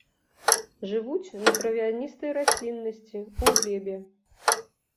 Жывуць на травяністай расліннасці, у глебе.